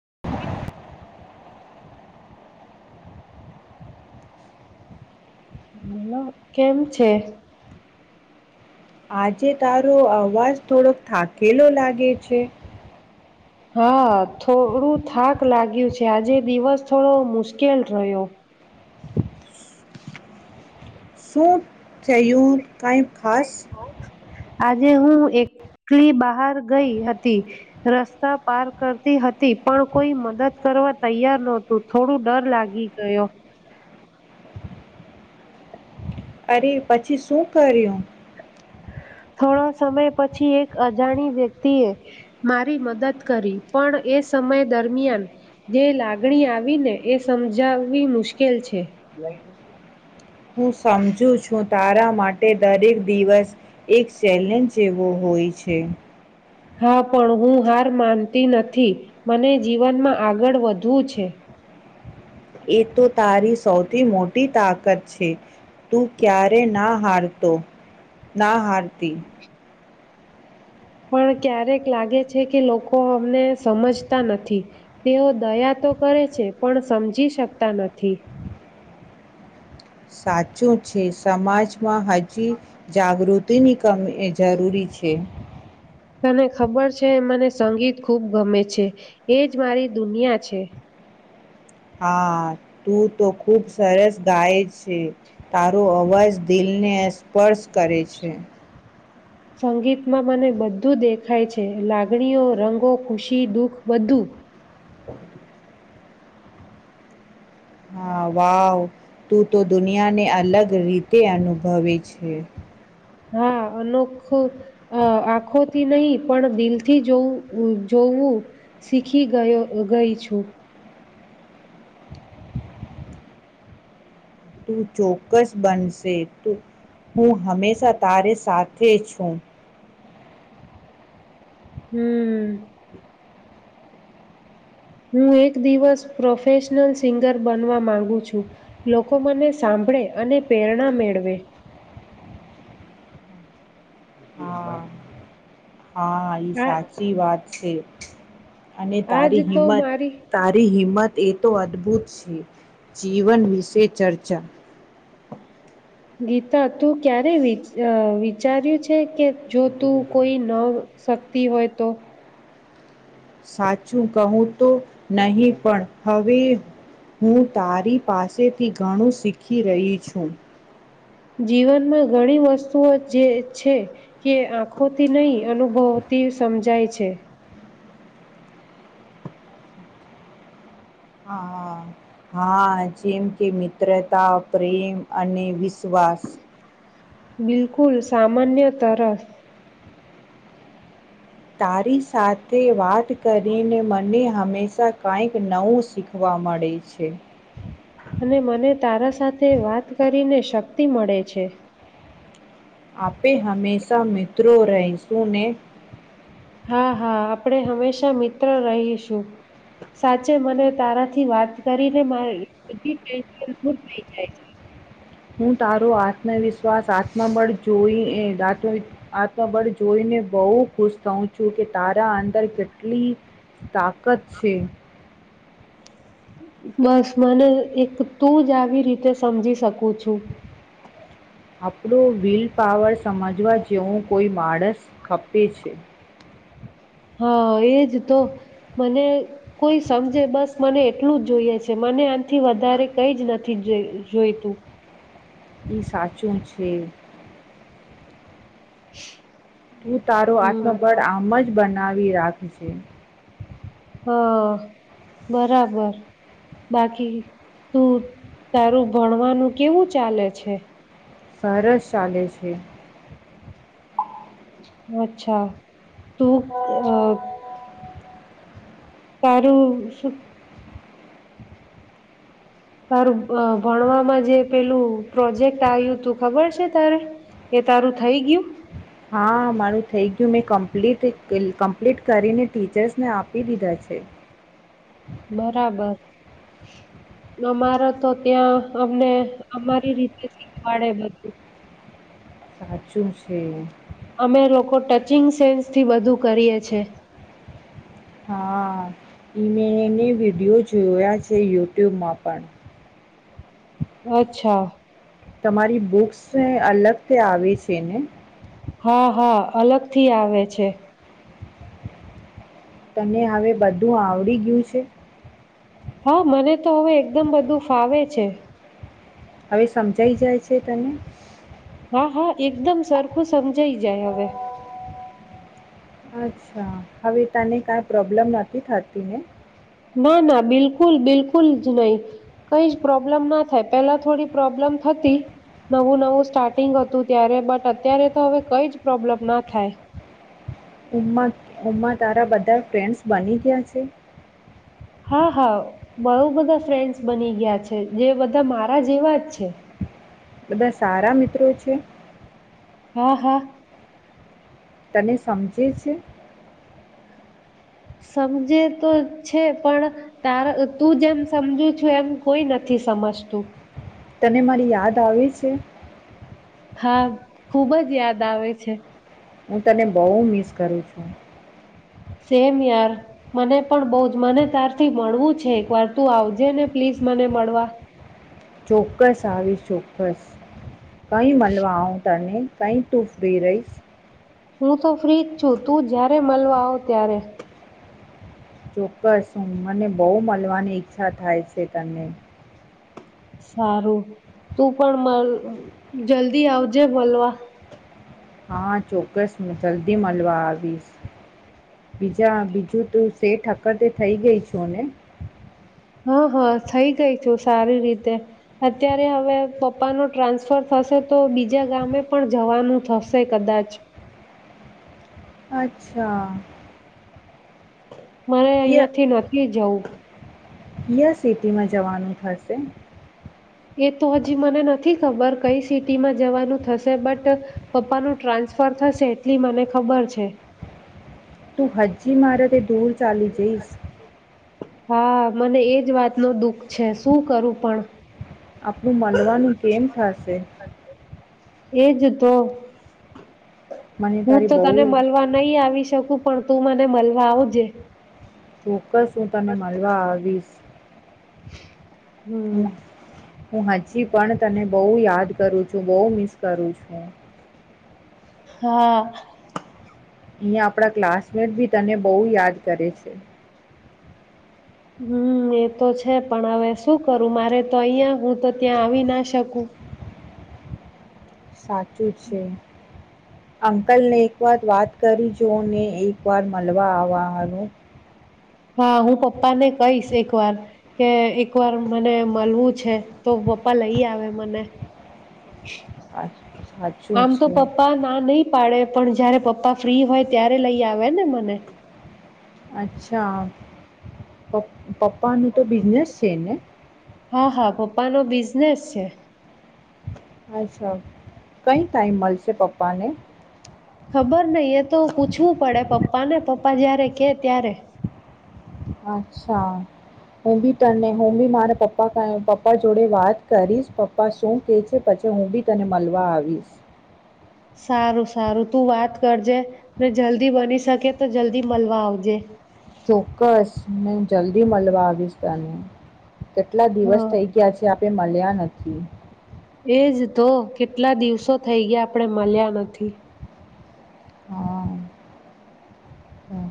[inaudible] મલો કેમ છે? આજે તારો અવાજ થોડોક થાકેલો લાગે છે? હા થોડું થાક લાગ્યું છે, આજે દિવસ થોડો મુશ્કેલ રહ્યો. શું થયું? કાઈ ખાસ? આજે હું એકલી બહાર ગઈ હતી રસ્તા પાર કરતી હતી પણ કોઈ મદદ કરવા તૈયાર નહોતું થોડું ડર લાગી ગયો. અરે પછી શું કર્યું? થોડો સમય પછી એક અજાણી વ્યક્તિએ મારી મદદ કરી પણ એ સમય દરમિયાન જે લાગણી આવી ને એ સમજાવવી મુશ્કેલ છે. હું સમજુ છું તારા માટે દરેક દિવસ એક ચેલેન્જ જેવો હોય છે. હા પણ હું હાર માનતી નથી મને જીવનમાં આગળ વધવું છે. એ તો તારી સૌથી મોટી તાકત છે તું ક્યારે ના હારતો ના હારતી. પણ ક્યારેક લાગે છે કે લોકો અમને સમજતા નથી તેઓ દયા તો કરે છે પણ સમજી શકતા નથી. સાચું છે સમાજમાં હજી જાગૃતિની કમી જરૂરી છે. તને ખબર છે મને સંગીત ખૂબ ગમે છે એ જ મારી દુનિયા છે. હા તું તો ખૂબ સરસ ગાય છે તારો અવાજ દિલને સ્પર્શ કરે છે. સંગીતમાં મને બધું દેખાય છે લાગણીઓ રંગો ખુશી દુઃખ બધું. હ વાવ તું તો દુનિયાને અલગ રીતે અનુભવે છે. હા અનોખુ આંખોથી નહી પણ દિલથી જોવું જોવું શીખી ગયો ગઈ છું. તું ચોક્કસ બનશે તું હું હંમેશા તારે સાથે છું. હમ. હું એક દિવસ પ્રોફેશનલ સિંગર બનવા માંગુ છું લોકો મને સાંભળે અને પ્રેરણા મેળવે. હા હા એ આ સાચી વાત છે. અને આજ તારી તો હિંમત મારી તારી હિંમત. એ તો અદભુત છે જીવન વિશે ચર્ચા. ગીતા તું ક્યારે વિચ વિચાર્યું છે કે. જો તું કોઈ નવ. શક્તિ હોય તો. સાચું કહું તો નહી પણ. હવે હું તારી પાસેથી ઘણું શીખી રહી છું જીવનમાં ઘણી વસ્તુઓ જે છે કે આંખોથી નહીં અનુભવતી સમજાય છે હા જેમ કે મિત્રતા પ્રેમ અને વિશ્વાસ બિલકુલ સામાન્ય તરસ તારી સાથે વાત કરીને મને હંમેશા કાંઈક નવું શીખવા મળે છે અને મને તારા સાથે વાત કરીને શક્તિ મળે છે આપે હંમેશા મિત્રો રહીશું ને હા હા આપણે હંમેશા મિત્ર રહીશું સાચે મને તારાથી વાત કરીને મા [inaudible] થઇ જાય છે. હું તારો આત્મવિશ્વાસ આત્મબળ જોઈ એ આત્મબળ જોઈને બહુ ખુશ થઉં છું કે તારા અંદર કેટલી તાકત છે બસ મને એક તું જ આવી રીતે સમજી શકું છું આપણું વ્હીલપાવર સમજવા જેવો કોઈ માણસ ખપે છે હા એજ તો મને કોઈ સમજે બસ મને એટલું જ જોઈએ છે મને આથી વધારે કઈ જ નથી જોઈતું નહી સાચું છે હ તું તારું આત્મબળ આમ જ બને બનાવી રાખજે હા બરાબર બાકી તું તારું ભણવાનું કેવું ચાલે છે સરસ ચાલે છે અચ્છા તું અહ તારું શું તારું ભણવામાં જે પેલું પ્રોજેક્ટ આવ્યું તું ખબર છે તારે એ તારું થઈ ગયું હા મારું થઈ ગયું મેં કમ્પ્લીટ કમ્પ્લીટ કરીને ટીચર્સને આપી દીધા છે બરાબર અમારે તો ત્યાં અમને અમારી રીતે શીખવાડે બધું સાચું છે અમે લોકો ટચિંગ સેન્સથી વધુ કરીએ છે હા [inaudible] ની વિડિયો જોયા છે યુટ્યુબમાં પણ અચ્છા તમારી બુક્સ અલગ તે આવે છે ને હા હા અલગથી આવે છે તને હવે બધું આવડી ગયું છે હા મને તો હવે એકદમ બધું ફાવે છે હવે સમજાઈ જાય છે તને હા હા એકદમ સરખું સમજાઈ જાય હવે અચ્છા હવે તને કાંઈ પ્રોબ્લેમ નથી થતી ને ના ના બિલકુલ બિલકુલ જ નહીં કઈ જ પ્રોબ્લમ ના થાય પહેલા થોડી પ્રોબ્લમ થતી નવું નવું સ્ટાર્ટિંગ હતું ત્યારે બટ અત્યારે તો હવે કઈ જ પ્રોબ્લમ ના થાય ઉમ ઉમમા તારા બધા ફ્રેન્ડસ બની ગયા છે હા હા બહુ બધા ફ્રેન્ડ્સ બની ગયા છે જે બધા મારા જેવા જ છે બધા સારા મિત્રો છે હા હા તને સમજે છે સમજે તો છે પણ તારા તું જેમ સમજું છું એમ કોઈ નથી સમજતું તને મારી યાદ આવે છે હા ખુબ જ યાદ આવે છે હું તને બહુ મિસ કરું છું સેમ યાર મને પણ બહુ જ મને ત્યારથી મળવું છે એક વાર તું આવજે ને પ્લીઝ મને મળવા ચોક્કસ આવીશ ચોક્કસ કઈ મળવા આવું તને કઇ તુ ઉભી રહીશ હું તો ફ્રી જ છું તું જ્યારે મળવા આવ ત્યારે ચોક્કસ મને બહુ મળવાની ઈચ્છા થાય છે તને સારું તું પણ મલ જલ્દી આવજે મળવા હા ચોક્કસ જલ્દી મળવા આવીશ બીજા બીજું તું [unintelligible] થઈ ગઈ છો ને હા હા થઈ ગઈ છું સારી રીતે અત્યારે હવે પપ્પા નું ટ્રાન્સફર થશે તો બીજા ગામે પણ જવાનું થશે કદાચ અચ્છા મારે અહિયાંથી નથી જવું ય સિટીમાં જવાનું થશે એ તો હજી મને નથી ખબર કઈ સિટીમાં જવાનું થશે બટ પપ્પાનું ટ્રાન્સફર થશે એટલી મને ખબર છે. તું હજી મારા થી દૂર ચાલી જઈશ હા મને એજ વાત નું દુઃખ છે શું કરું પણ આપણું મળલવાનું કેમ થશે એ જ તો. મને હું તારી તો બહુ તને મળવા નહી આવી શકું પણ તું મને મળવા આવજે તો. ચોક્કસ હું તને મળવા આવીશ હમ હું મારી પછી પણ તને બહુ યાદ કરું છું બહુ મિસ કરું છું. હા અહીં આપણા ક્લાસમેટ બી તને બહુ યાદ કરે છે હમ એ તો છે પણ હવે શું કરું મારે તો અહીં હું તો ત્યાં આવી ના શકું સાચ ચું છે અંકલને એક વાર વાત કરી જો ને એક વાર મલવા આવા હારું હા હું પપ્પાને કહીશ એક વાર કે એક વાર મને મલવું છે તો પપ્પા લઈ આવે મને સાચ- સાચું આમ તો છે. પપ્પા ના નહી પાડે પણ જયારે પપ્પા ફ્રી હોય ત્યારે લઈ આવે ને મને અચ્છા પપ્પા પપ્પાનું તો બિઝનેસ છે ને હા હા પપ્પા નો બિઝનેસ છે અચ્છા કઈ ટાઈમ મળશે પપ્પાને ખબર નઈ એ તો પૂછવું પડે પપ્પા ને પપ્પા જયારે કે ત્યારે અચ્છા હું બી તને હું બી મારા પપ્પા પપ્પા જોડે વાત કરીશ પપ્પા શું કે છે પછી હું બી તને મળવા આવીશ સારું સારું તું વાત કરજે ને જલ્દી બની શકે તો જલ્દી મળવા આવજે ને જલ્દી મળવા આવીશ તને કેટલા દિવસ હા થઈ ગયા છે આપણે મળ્યા નથી એજ તો કેટલા દિવસો થઈ ગયા આપણે મળ્યા નથી હા. હા,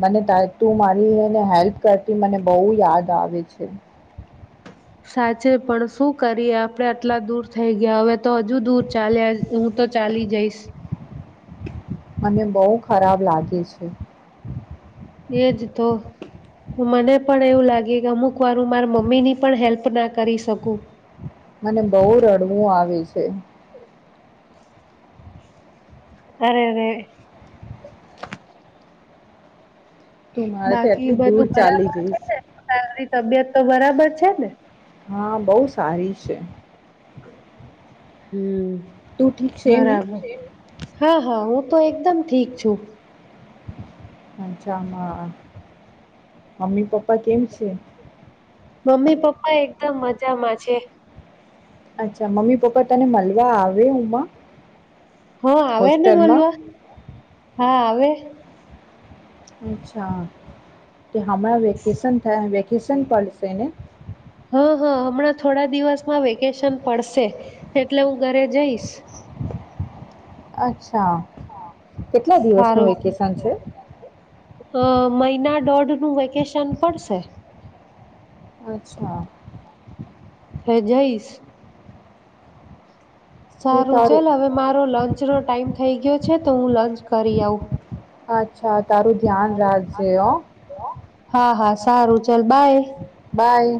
મને તું મારી એને હેલ્પ કરતી મને બહુ યાદ આવે છે સાચે પણ શું કરીએ આપડે આટલા દૂર થઈ ગયા હવે તો હજુ દૂર ચાલ્યા હું તો ચાલી જઈશ. મને બહુ ખરાબ લાગે છે. એજ તો મને પણ એવું લાગે કે અમુક વાર હું મારા મમ્મી ની પણ હેલ્પ ના કરી શકું. મને બહુ રડવું આવે છે. અરેરે તું મારાથી બાકી આટલી દૂર બધું ચાલી બરાબર છે, જઈશ ને તારી તબિયત! તો બરાબર છે ને! હા બહુ સારી છે. હમ. તું ઠીક છે એ ને! હા હા હું તો એકદમ ઠીક છું. અચ્છામાં મમ્મી પપ્પા કેમ છે? મમ્મી પપ્પા એકદમ મજામાં છે. અચ્છા મમ્મી પપ્પા તને મળવા આવે ઉમાં!? હા આવે ને મળવા. હા આવે. અચ્છા. કે હમણાં વેકેશન થાય વેકેશન પડશે ને? હા હા હમણાં થોડા દિવસમાં વેકેશન પડશે એટલે હું ઘરે જઈશ. અચ્છા. અચ્છા, કેટલા દિવસનું સારું વેકેશન છે? અ મહિના દોઢ મહિનાનું વેકેશન પડશે. અચ્છા. હે જઈશ. તું સારું તારું ચલ હવે મારો લંચ નો ટાઈમ થઈ ગયો છે તો હું લંચ કરી આઉં. અચ્છા તારું ધ્યાન રાખજે હા. હા હા સારું ચલ બાય. બાય.